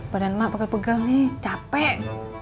badan mak bakal pegal nih capek